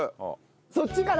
そっちから？